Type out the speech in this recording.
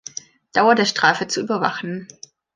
Dauer der Strafe zu überwachen.